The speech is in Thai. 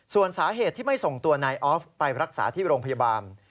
ส่วนสาเหตุที่ไม่ส่งตัวนายออฟไปรักษาที่โรงพยาบาล